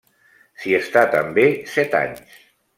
S'hi està també set anys.